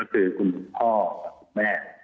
คือคุณพ่อกับคุณแม่